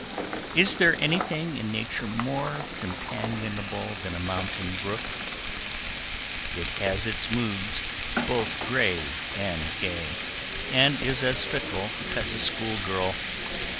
Is there anything in nature more companionable than a mountain brook? It has its moods both grave and gay, and is as fickle as a schoolgirl.